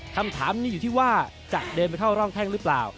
คำถามนี้อยู่ที่ว่าจะเดินไปเข้าร่องแท่งหรือเปล่า